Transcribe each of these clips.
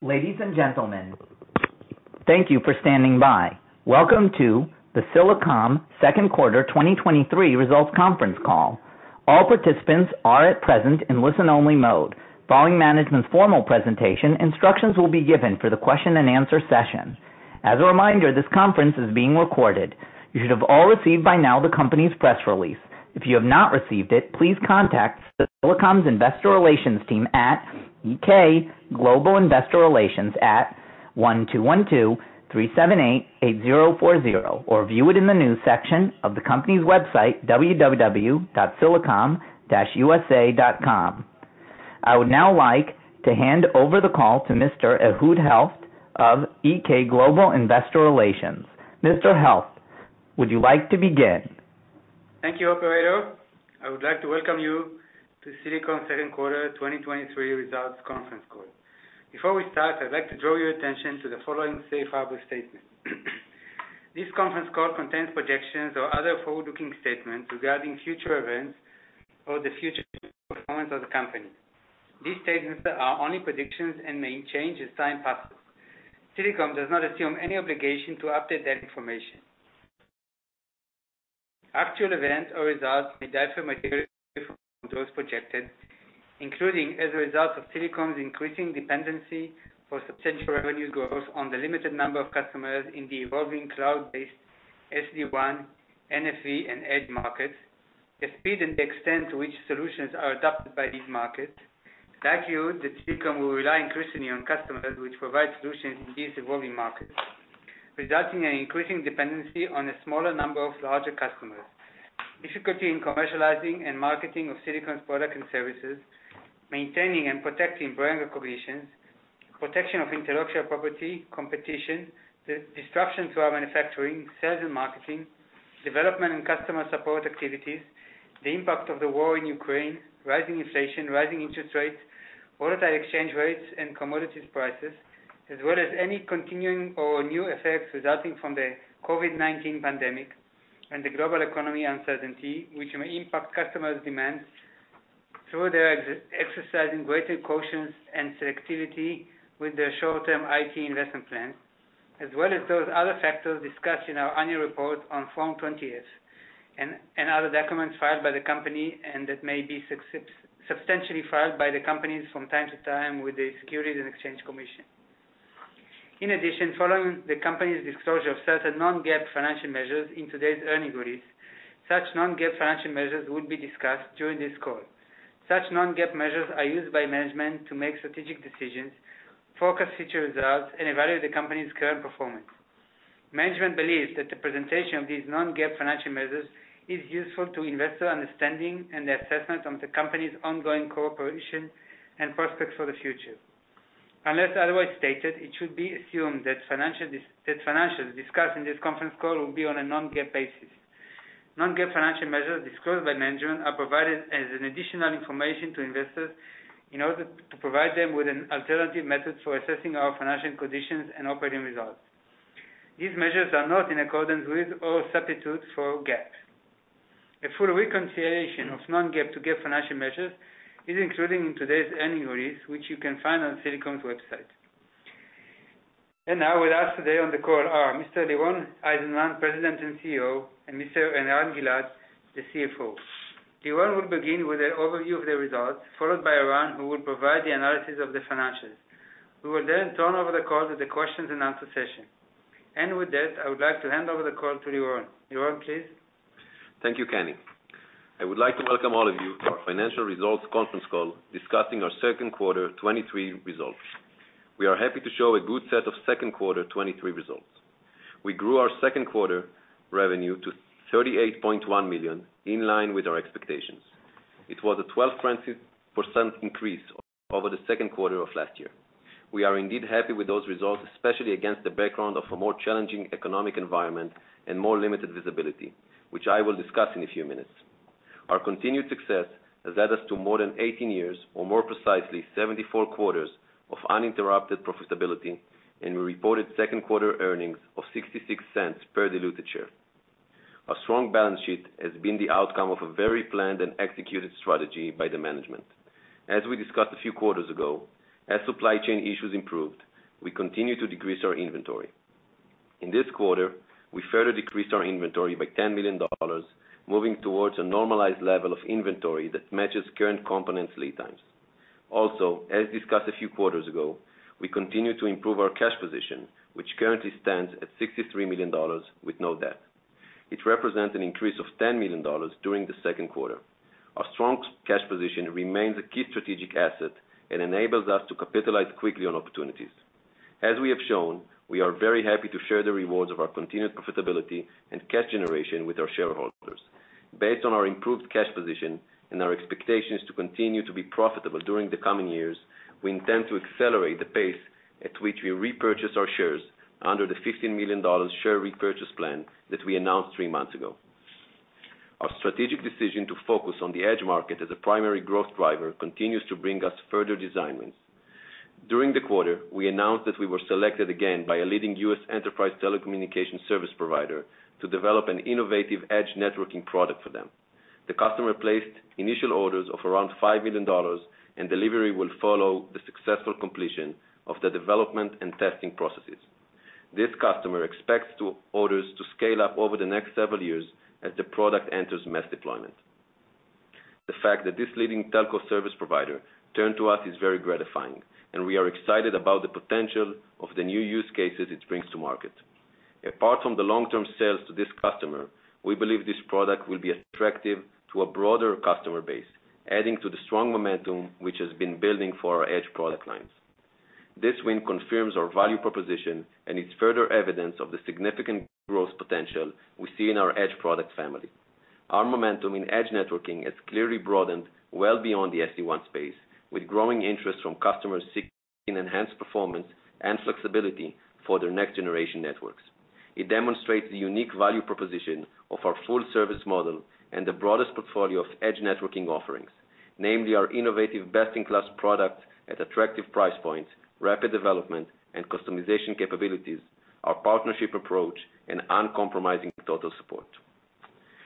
Ladies and gentlemen, thank you for standing by. Welcome to the Silicom Q2 2023 Results Conference Call. All participants are at present in listen-only mode. Following management's formal presentation, instructions will be given for the question and answer session. As a reminder, this conference is being recorded. You should have all received by now the company's press release. If you have not received it, please contact Silicom's Investor Relations team at EK Global Investor Relations at 1-212-378-8040, or view it in the News section of the company's website, www.silicom-usa.com. I would now like to hand over the call to Mr. Ehud Helft of EK Global Investor Relations. Mr. Helft, would you like to begin? Thank you, operator. I would like to welcome you to Silicom Q2 2023 Results Conference Call. Before we start, I'd like to draw your attention to the following safe harbor statement. This conference call contains projections or other forward-looking statements regarding future events or the future performance of the company. These statements are only predictions and may change as time passes. Silicom does not assume any obligation to update that information. Actual events or results may differ materially from those projected, including as a result of Silicom's increasing dependency for substantial revenue growth on the limited number of customers in the evolving cloud-based SD-WAN, NFV, and Edge markets. The speed and extent to which solutions are adopted by these markets, that Silicom will rely increasingly on customers which provide solutions in these evolving markets, resulting in an increasing dependency on a smaller number of larger customers. Difficulty in commercializing and marketing of Silicom's products and services, maintaining and protecting brand recognition, protection of intellectual property, competition, the disruption to our manufacturing, sales and marketing, development and customer support activities, the impact of the war in Ukraine, rising inflation, rising interest rates, volatile exchange rates and commodities prices, as well as any continuing or new effects resulting from the COVID-19 pandemic and the global economy uncertainty, which may impact customers' demands through their exercising greater cautions and selectivity with their short-term IT investment plans, as well as those other factors discussed in our Annual Report on Form 20-F and other documents filed by the company, and that may be substantially filed by the company from time to time with the Securities and Exchange Commission. In addition, following the company's disclosure of certain non-GAAP financial measures in today's earnings release, such non-GAAP financial measures will be discussed during this call. Such non-GAAP measures are used by management to make strategic decisions, forecast future results, and evaluate the company's current performance. Management believes that the presentation of these non-GAAP financial measures is useful to investor understanding and the assessment of the company's ongoing cooperation and prospects for the future. Unless otherwise stated, it should be assumed that financials discussed in this conference call will be on a non-GAAP basis. Non-GAAP financial measures disclosed by management are provided as an additional information to investors in order to provide them with an alternative method for assessing our financial conditions and operating results. These measures are not in accordance with or substitute for GAAP. A full reconciliation of non-GAAP to GAAP financial measures is included in today's earnings release, which you can find on Silicom's website. Now, with us today on the call are Mr. Liron Eizenman, President and CEO, and Mr. Eran Gilad, the CFO. Liron will begin with an overview of the results, followed by Eran, who will provide the analysis of the financials. We will then turn over the call to the questions and answer session. With that, I would like to hand over the call to Liron. Liron, please. Thank you, Kenny. I would like to welcome all of you to our financial results conference call, discussing our Q2 2023 results. We are happy to show a good set of Q2 2023 results. We grew our Q2 revenue to $38.1 million, in line with our expectations. It was a 12% increase over the Q2 of last year. We are indeed happy with those results, especially against the background of a more challenging economic environment and more limited visibility, which I will discuss in a few minutes. Our continued success has led us to more than 18 years, or more precisely, 74 quarters of uninterrupted profitability, and we reported Q2 earnings of $0.66 per diluted share. Our strong balance sheet has been the outcome of a very planned and executed strategy by the management. As we discussed a few quarters ago, as supply chain issues improved, we continued to decrease our inventory. In this quarter, we further decreased our inventory by $10 million, moving towards a normalized level of inventory that matches current components lead times. Also, as discussed a few quarters ago, we continue to improve our cash position, which currently stands at $63 million with no debt. It represents an increase of $10 million during the Q2. Our strong cash position remains a key strategic asset and enables us to capitalize quickly on opportunities. As we have shown, we are very happy to share the rewards of our continued profitability and cash generation with our shareholders. Based on our improved cash position and our expectations to continue to be profitable during the coming years, we intend to accelerate the pace at which we repurchase our shares under the $15 million share repurchase plan that we announced three months ago. Our strategic decision to focus on the Edge market as a primary growth driver continues to bring us further design wins. During the quarter, we announced that we were selected again by a leading U.S. enterprise telecommunication service provider to develop an innovative Edge networking product for them. The customer placed initial orders of around $5 million, and delivery will follow the successful completion of the development and testing processes. This customer expects orders to scale up over the next several years as the product enters mass deployment. The fact that this leading telco service provider turned to us is very gratifying, and we are excited about the potential of the new use cases it brings to market. Apart from the long-term sales to this customer, we believe this product will be attractive to a broader customer base, adding to the strong momentum which has been building for our Edge product lines. This win confirms our value proposition and is further evidence of the significant growth potential we see in our Edge product family. Our momentum in Edge networking has clearly broadened well beyond the SD-WAN space, with growing interest from customers seeking enhanced performance and flexibility for their next-generation networks. It demonstrates the unique value proposition of our full-service model and the broadest portfolio of Edge networking offerings. Namely, our innovative best-in-class product at attractive price points, rapid development and customization capabilities, our partnership approach, and uncompromising total support.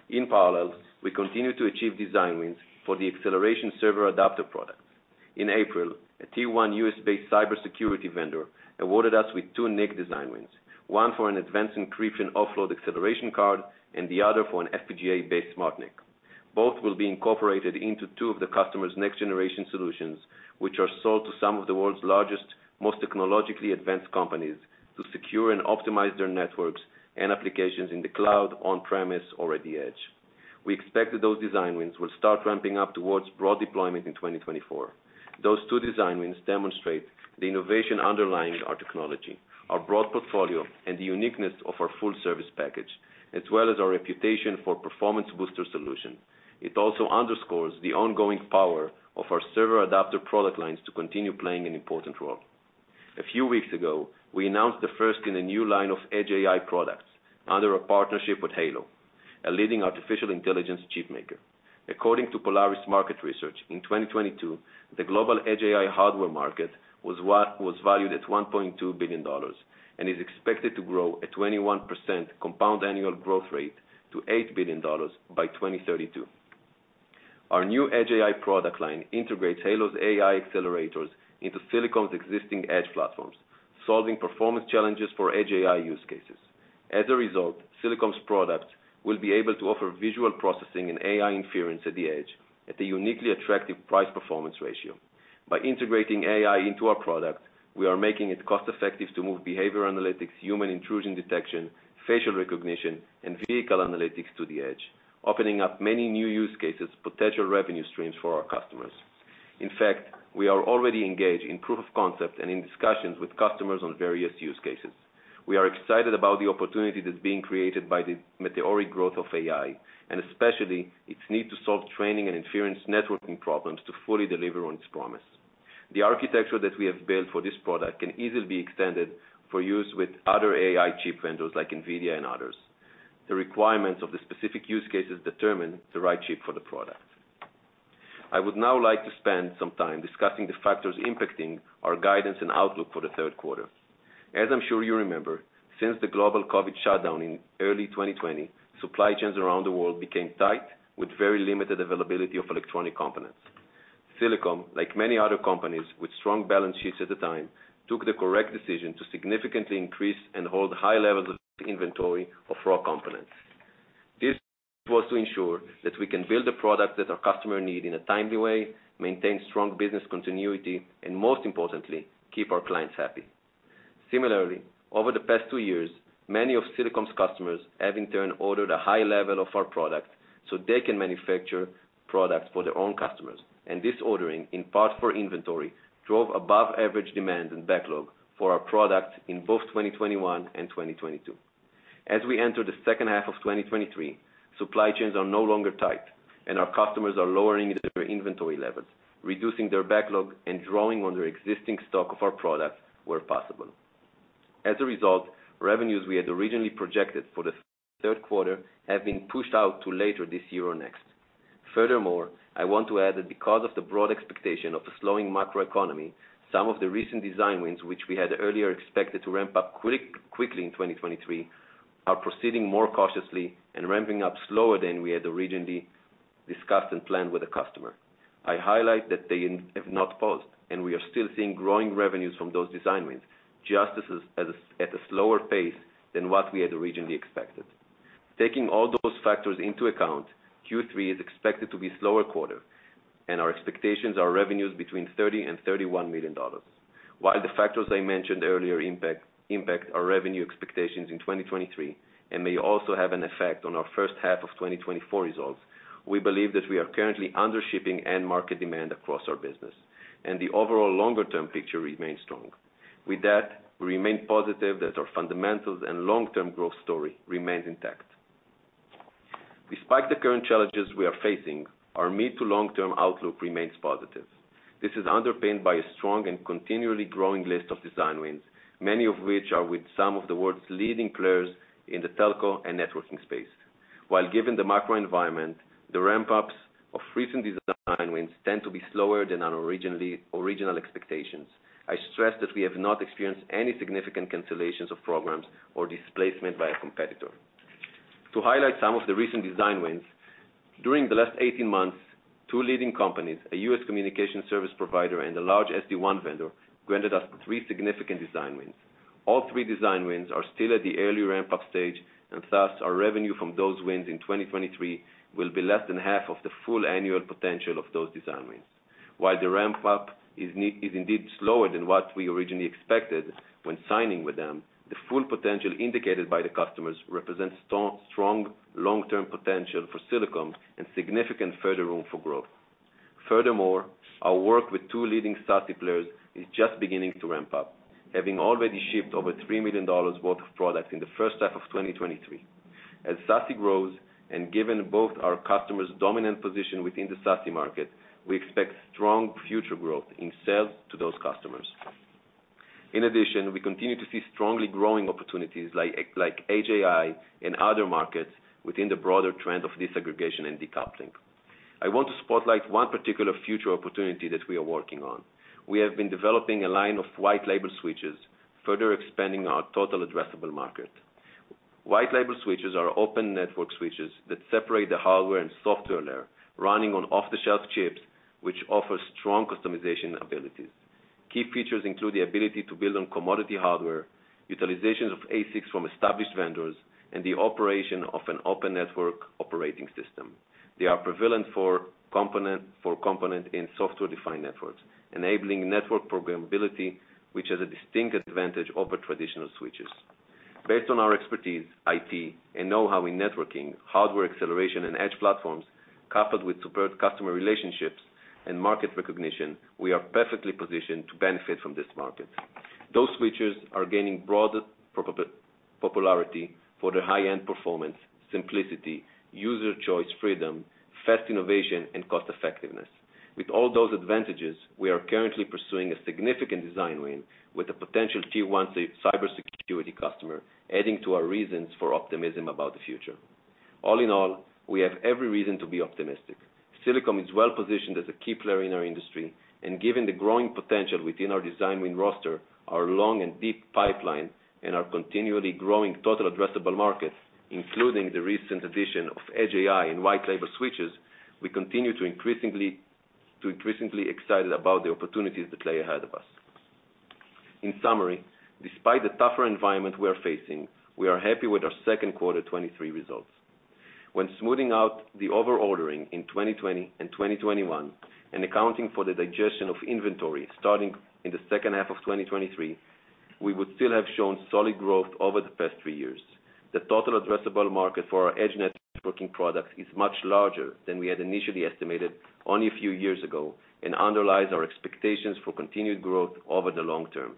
In parallel, we continue to achieve design wins for the acceleration server adapter product. In April, a tier one U.S.-based cybersecurity vendor awarded us with two NIC design wins, one for an advanced encryption offload acceleration card and the other for an FPGA-based smart NIC. Both will be incorporated into two of the customer's next-generation solutions, which are sold to some of the world's largest, most technologically advanced companies, to secure and optimize their networks and applications in the cloud, on-premise, or at the Edge. We expect that those design wins will start ramping up towards broad deployment in 2024. Those two design wins demonstrate the innovation underlying our technology, our broad portfolio, and the uniqueness of our full service package, as well as our reputation for performance booster solution. It also underscores the ongoing power of our server adapter product lines to continue playing an important role. A few weeks ago, we announced the first in a new line of Edge AI products under a partnership with Hailo, a leading artificial intelligence chip maker. According to Polaris Market Research, in 2022, the global Edge AI hardware market was valued at $1.2 billion and is expected to grow at 21% compound annual growth rate to $8 billion by 2032. Our new Edge AI product line integrates Hailo's AI accelerators into Silicom's existing Edge platforms, solving performance challenges for Edge AI use cases. As a result, Silicom's products will be able to offer visual processing and AI inference at the Edge at a uniquely attractive price-performance ratio. By integrating AI into our product, we are making it cost-effective to move behavior analytics, human intrusion detection, facial recognition, and vehicle analytics to the Edge, opening up many new use cases, potential revenue streams for our customers. In fact, we are already engaged in proof of concept and in discussions with customers on various use cases. We are excited about the opportunity that's being created by the meteoric growth of AI, and especially its need to solve training and inference networking problems to fully deliver on its promise. The architecture that we have built for this product can easily be extended for use with other AI chip vendors like NVIDIA and others. The requirements of the specific use cases determine the right chip for the product. I would now like to spend some time discussing the factors impacting our guidance and outlook for the Q3. As I'm sure you remember, since the global COVID shutdown in early 2020, supply chains around the world became tight, with very limited availability of electronic components. Silicom, like many other companies with strong balance sheets at the time, took the correct decision to significantly increase and hold high levels of inventory of raw components. This was to ensure that we can build a product that our customer need in a timely way, maintain strong business continuity, and most importantly, keep our clients happy. Similarly, over the past 2 years, many of Silicom's customers have, in turn, ordered a high level of our products so they can manufacture products for their own customers. This ordering, in part for inventory, drove above-average demand and backlog for our products in both 2021 and 2022. As we enter the second half of 2023, supply chains are no longer tight. Our customers are lowering their inventory levels, reducing their backlog and drawing on their existing stock of our products where possible. As a result, revenues we had originally projected for the Q3 have been pushed out to later this year or next. Furthermore, I want to add that because of the broad expectation of the slowing macroeconomy, some of the recent design wins, which we had earlier expected to ramp up quickly in 2023, are proceeding more cautiously and ramping up slower than we had originally discussed and planned with the customer. I highlight that they have not paused, and we are still seeing growing revenues from those design wins, just at a slower pace than what we had originally expected. Taking all those factors into account, Q3 is expected to be a slower quarter, and our expectations are revenues between $30 million and $31 million. While the factors I mentioned earlier impact our revenue expectations in 2023, and may also have an effect on our first half of 2024 results, we believe that we are currently under shipping and market demand across our business, and the overall longer-term picture remains strong. With that, we remain positive that our fundamentals and long-term growth story remains intact. Despite the current challenges we are facing, our mid to long-term outlook remains positive. This is underpinned by a strong and continually growing list of design wins, many of which are with some of the world's leading players in the telco and networking space. While given the macro environment, the ramp-ups, recent design wins tend to be slower than our original expectations. I stress that we have not experienced any significant cancellations of programs or displacement by a competitor. To highlight some of the recent design wins, during the last 18 months, two leading companies, a U.S. communication service provider, and a large SD-WAN vendor, granted us three significant design wins. All three design wins are still at the early ramp-up stage. Thus, our revenue from those wins in 2023 will be less than half of the full annual potential of those design wins. While the ramp-up is indeed slower than what we originally expected when signing with them, the full potential indicated by the customers represents strong, long-term potential for Silicom and significant further room for growth. Furthermore, our work with two leading SASE players is just beginning to ramp up, having already shipped over $3 million worth of product in the first half of 2023. As SASE grows, and given both our customers' dominant position within the SASE market, we expect strong future growth in sales to those customers. In addition, we continue to see strongly growing opportunities like Edge AI and other markets within the broader trend of disaggregation and decoupling. I want to spotlight one particular future opportunity that we are working on. We have been developing a line of white label switches, further expanding our total addressable market. White label switches are open network switches that separate the hardware and software layer, running on off-the-shelf chips, which offer strong customization abilities. Key features include the ability to build on commodity hardware, utilizations of ASICs from established vendors, and the operation of an open network operating system. They are prevalent for component in software-defined networks, enabling network programmability, which has a distinct advantage over traditional switches. Based on our expertise, IT, and know-how in networking, hardware acceleration, and edge platforms, coupled with superb customer relationships and market recognition, we are perfectly positioned to benefit from this market. Those switches are gaining broader popularity for their high-end performance, simplicity, user choice freedom, fast innovation, and cost-effectiveness. With all those advantages, we are currently pursuing a significant design win with a potential tier-one cybersecurity customer, adding to our reasons for optimism about the future. All in all, we have every reason to be optimistic. Silicom is well-positioned as a key player in our industry, and given the growing potential within our design win roster, our long and deep pipeline, and our continually growing total addressable market, including the recent addition of Edge AI and White Label Switches, we continue to increasingly excited about the opportunities that lay ahead of us. In summary, despite the tougher environment we are facing, we are happy with our Q2 23 results. When smoothing out the over-ordering in 2020 and 2021, and accounting for the digestion of inventory starting in the second half of 2023, we would still have shown solid growth over the past three years. The total addressable market for our Edge networking products is much larger than we had initially estimated only a few years ago and underlies our expectations for continued growth over the long term.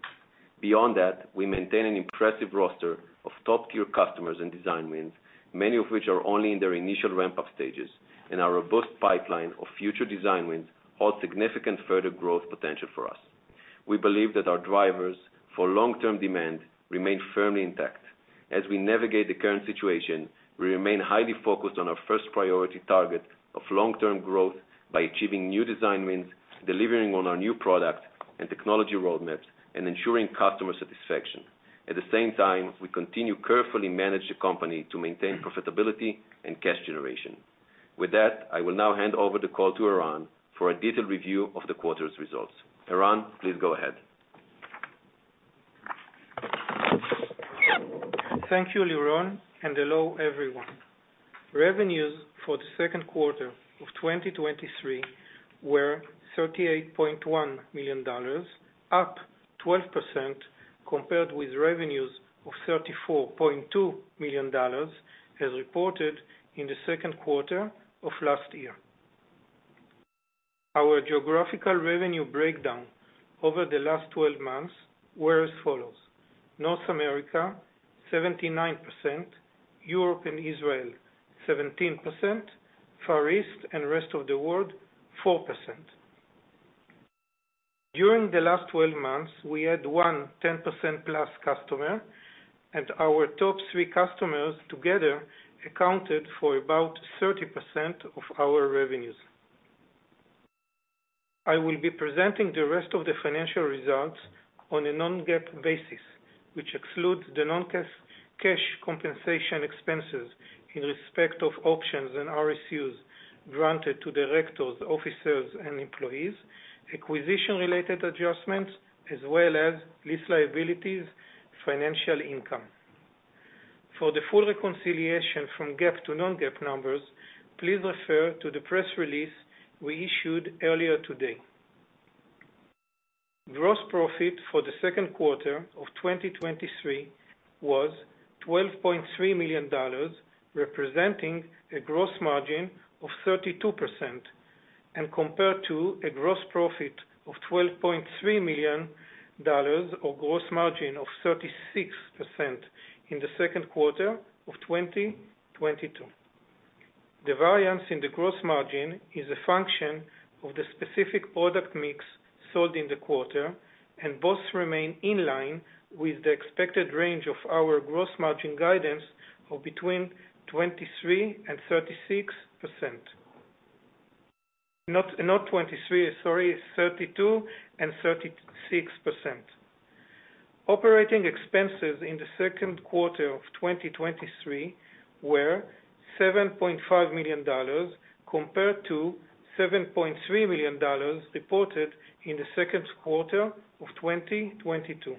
Beyond that, we maintain an impressive roster of top-tier customers and design wins, many of which are only in their initial ramp-up stages, and our robust pipeline of future design wins holds significant further growth potential for us. We believe that our drivers for long-term demand remain firmly intact. As we navigate the current situation, we remain highly focused on our first priority target of long-term growth by achieving new design wins, delivering on our new products and technology roadmaps, and ensuring customer satisfaction. At the same time, we continue carefully manage the company to maintain profitability and cash generation. With that, I will now hand over the call to Eran for a detailed review of the quarter's results. Eran, please go ahead. Thank you, Liron, and hello, everyone. Revenues for the Q2 of 2023 were $38.1 million, up 12% compared with revenues of $34.2 million, as reported in the Q2 of last year. Our geographical revenue breakdown over the last 12 months were as follows: North America, 79%; Europe and Israel, 17%; Far East and rest of the world, 4%. During the last 12 months, we had one 10%-plus customer, and our top three customers together accounted for about 30% of our revenues. I will be presenting the rest of the financial results on a non-GAAP basis, which excludes the non-cash, cash compensation expenses in respect of options and RSUs granted to directors, officers, and employees, acquisition-related adjustments, as well as lease liabilities, financial income. For the full reconciliation from GAAP to non-GAAP numbers, please refer to the press release we issued earlier today. Gross profit for the Q2 of 2023 was $12.3 million, representing a gross margin of 32%, and compared to a gross profit of $12.3 million, or gross margin of 36% in the Q of 2022. The variance in the gross margin is a function of the specific product mix sold in the quarter, and both remain in line with the expected range of our gross margin guidance of between 23% and 36%. Not, not 23, sorry, 32 and 36%. Operating expenses in the Q2of 2023 were $7.5 million, compared to $7.3 million reported in the Q2 of 2022.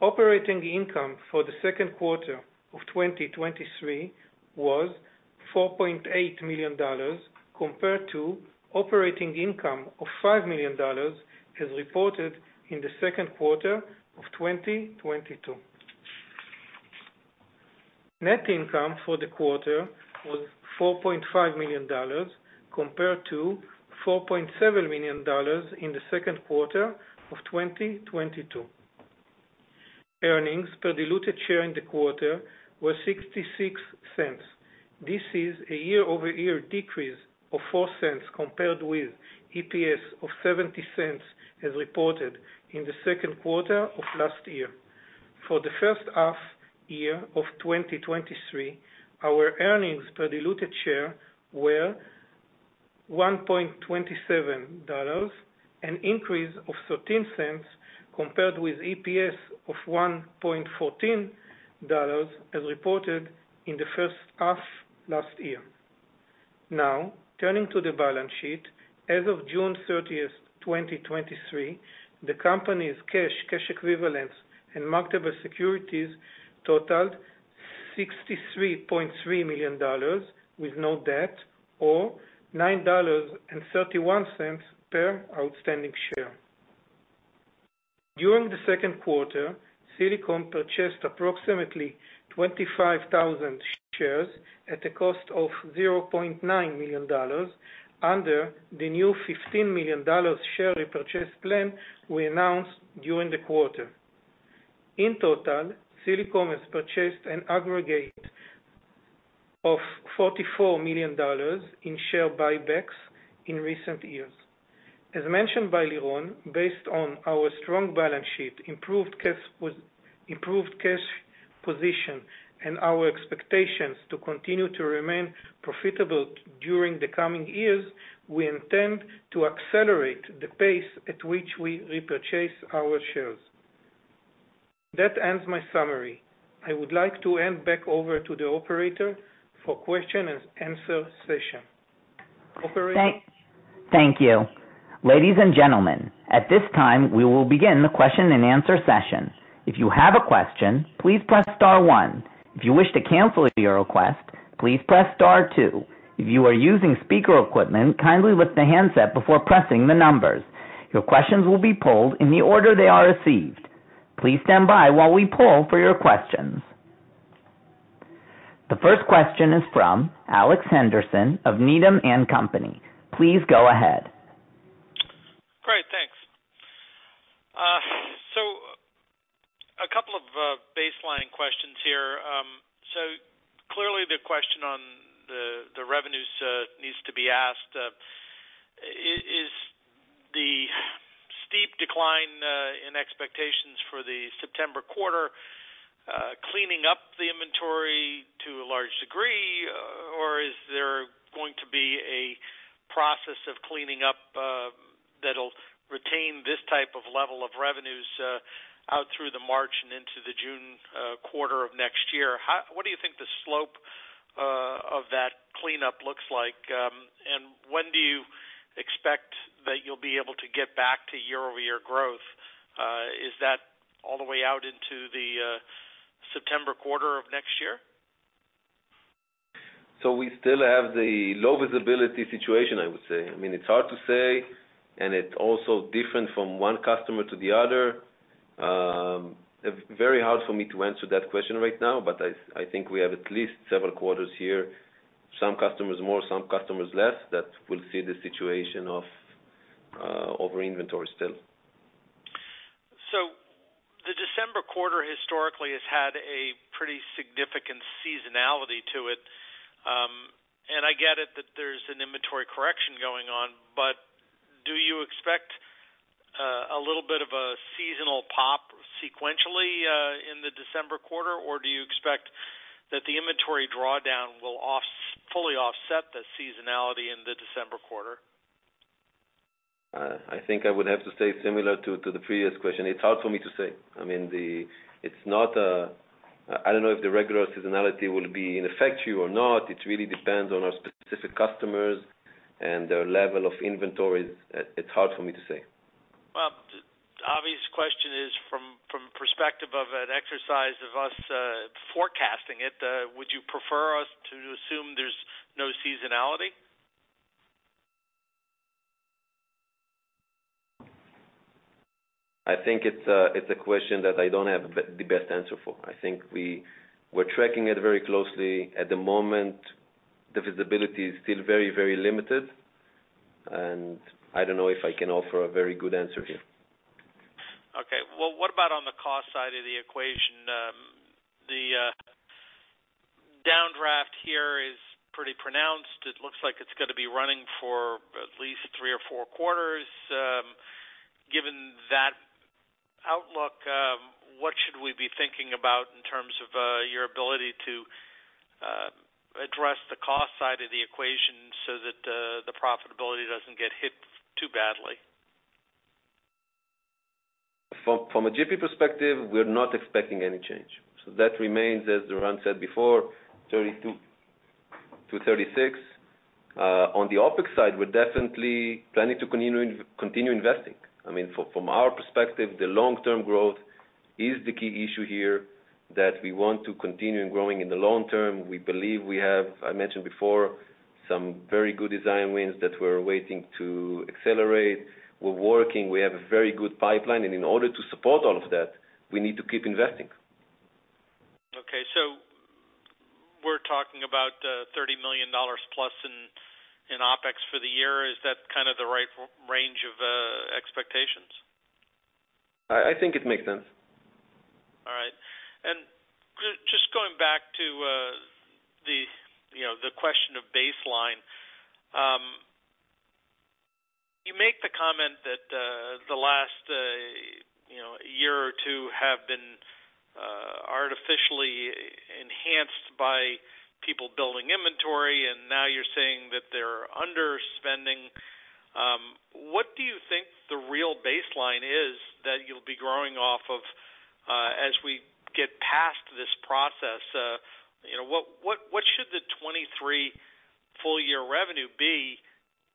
Operating income for the Q2 of 2023 was $4.8 million, compared to operating income of $5 million, as reported in the Q2 of 2022. Net income for the quarter was $4.5 million, compared to $4.7 million in the Q2 of 2022. Earnings per diluted share in the quarter were $0.66. This is a year-over-year decrease of $0.04, compared with EPS of $0.70, as reported in the Q2 of last year. For the first half year of 2023, our earnings per diluted share were $1.27, an increase of $0.13, compared with EPS of $1.14, as reported in the first half last year. Now, turning to the balance sheet. As of June 30th, 2023, the company's cash, cash equivalents, and marketable securities totaled $63.3 million, with no debt, or $9.31 per outstanding share. During the Q2, Silicom purchased approximately 25,000 shares at a cost of $0.9 million under the new $15 million share repurchase plan we announced during the quarter. In total, Silicom has purchased an aggregate of $44 million in share buybacks in recent years. As mentioned by Liron, based on our strong balance sheet, improved cash position, and our expectations to continue to remain profitable during the coming years, we intend to accelerate the pace at which we repurchase our shares. That ends my summary. I would like to hand back over to the operator for question and answer session. Operator? Thank you. Ladies and gentlemen, at this time, we will begin the question and answer session. If you have a question, please press star one. If you wish to cancel your request, please press star two. If you are using speaker equipment, kindly lift the handset before pressing the numbers. Your questions will be polled in the order they are received. Please stand by while we poll for your questions. The first question is from Alex Henderson of Needham & Company. Please go ahead. Great, thanks. A couple of baseline questions here. Clearly, the question on the revenues needs to be asked. Is the steep decline in expectations for the September quarter cleaning up the inventory to a large degree, or is there going to be a process of cleaning up that'll retain this type of level of revenues out through the March and into the June quarter of next year? What do you think the slope of that cleanup looks like? When do you expect that you'll be able to get back to year-over-year growth? Is that all the way out into the September quarter of next year? We still have the low visibility situation, I would say. I mean, it's hard to say, and it's also different from one customer to the other. It very hard for me to answer that question right now, but I, I think we have at least several quarters here, some customers more, some customers less, that will see the situation of over inventory still. The December quarter historically has had a pretty significant seasonality to it. I get it that there's an inventory correction going on, but do you expect, a little bit of a seasonal pop sequentially, in the December quarter? Or do you expect that the inventory drawdown will off- fully offset the seasonality in the December quarter? I think I would have to say similar to, to the previous question, it's hard for me to say. I mean, It's not, I don't know if the regular seasonality will be in effect here or not. It really depends on our specific customers and their level of inventories. It's hard for me to say. Well, the obvious question is, from, from perspective of an exercise of us, forecasting it, would you prefer us to assume there's no seasonality? I think it's a, it's a question that I don't have the, the best answer for. I think we- we're tracking it very closely. At the moment, the visibility is still very, very limited. I don't know if I can offer a very good answer here. Okay. Well, what about on the cost side of the equation? The...pretty pronounced. It looks like it's going to be running for at least three or four quarters. Given that outlook, what should we be thinking about in terms of your ability to address the cost side of the equation so that the profitability doesn't get hit too badly? From a GP perspective, we're not expecting any change. That remains, as Doron said before, 32-36. On the OpEx side, we're definitely planning to continue investing. I mean, from our perspective, the long-term growth is the key issue here, that we want to continue growing in the long term. We believe we have, I mentioned before, some very good design wins that we're waiting to accelerate. We're working. We have a very good pipeline, and in order to support all of that, we need to keep investing. Okay, we're talking about, $30 million plus in OpEx for the year. Is that kind of the right range of expectations? I, I think it makes sense. All right. Just going back to, you know, the question of baseline. You make the comment that the last, you know, year or two have been artificially enhanced by people building inventory, and now you're saying that they're underspending. What do you think the real baseline is that you'll be growing off of as we get past this process? You know, what, what, what should the 23 full year revenue be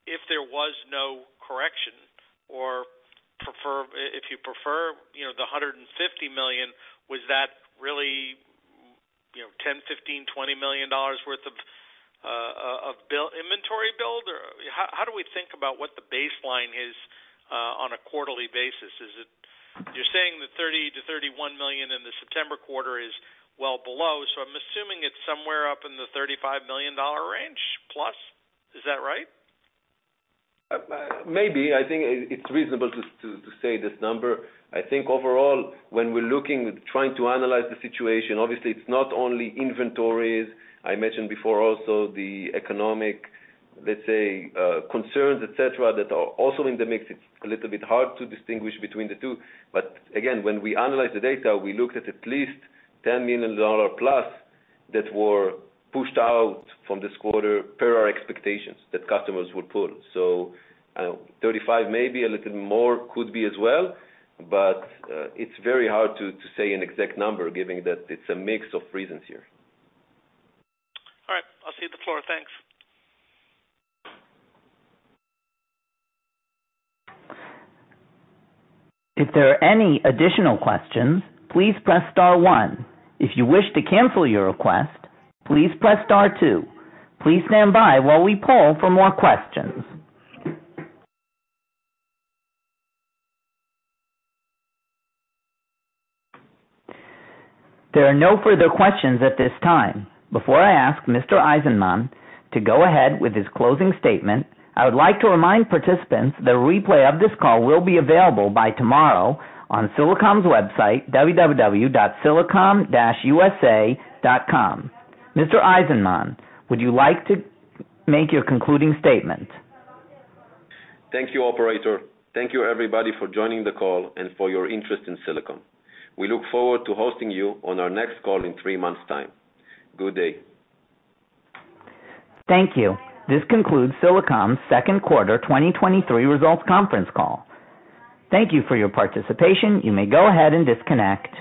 if there was no correction? Or if you prefer, you know, the $150 million, was that really, you know, $10 million, $15 million, $20 million worth of build- inventory build? Or how, how do we think about what the baseline is on a quarterly basis? You're saying the $30 million-$31 million in the September quarter is well below, so I'm assuming it's somewhere up in the $35 million range plus. Is that right? Maybe. I think it's reasonable to say this number. I think overall, when we're looking, trying to analyze the situation, obviously it's not only inventories. I mentioned before also the economic, let's say, concerns, et cetera, that are also in the mix. It's a little bit hard to distinguish between the two. Again, when we analyze the data, we looked at at least $10 million plus that were pushed out from this quarter per our expectations that customers would pull. $35, maybe a little more, could be as well, but, it's very hard to say an exact number, given that it's a mix of reasons here. All right. I'll cede the floor. Thanks. If there are any additional questions, please press star one. If you wish to cancel your request, please press star two. Please stand by while we poll for more questions. There are no further questions at this time. Before I ask Mr. Eizenman to go ahead with his closing statement, I would like to remind participants the replay of this call will be available by tomorrow on Silicom's website, www.silicom-usa.com. Mr. Eizenman, would you like to make your concluding statement? Thank you, operator. Thank you, everybody, for joining the call and for your interest in Silicom. We look forward to hosting you on our next call in three months' time. Good day. Thank you. This concludes Silicom's Q2 2023 results conference call. Thank you for your participation. You may go ahead and disconnect.